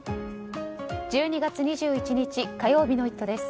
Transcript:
１２月２１日火曜日の「イット！」